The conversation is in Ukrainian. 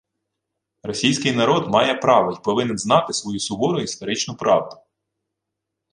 Російський народ має право й повинен знати свою сувору історичну правду